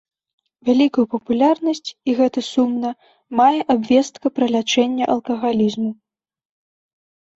Вялікую папулярнасць, і гэта сумна, мае абвестка пра лячэнне алкагалізму.